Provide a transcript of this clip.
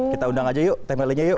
kita undang aja yuk teh meli nya yuk